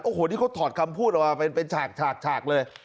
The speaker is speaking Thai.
โอ้โหนี่เขาถอดคำพูดออกมาเป็นฉากเลย